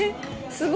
すごい。